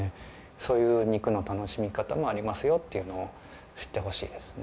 そういう肉の楽しみ方もありますよっていうのを知ってほしいですね。